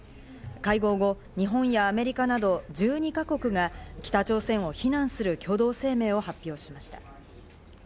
会合後、日本やアメリカなど１２か国が北朝鮮を非難する共同声明を発表しました。